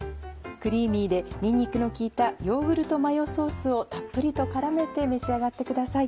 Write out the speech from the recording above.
クリーミーでにんにくの利いたヨーグルトマヨソースをたっぷりと絡めて召し上がってください。